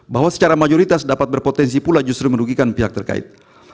bahwa secara mayoritas dapat berpotensi pula justru merugikan pihak terkait